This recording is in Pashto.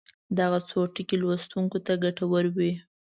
دغه څو ټکي لوستونکو ته ګټورې وي.